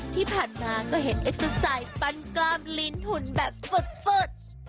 ที่ผ่านมาก็เห็นเอ็กเตอร์ไซด์ปั้นกล้ามลิ้นหุ่นแบบสด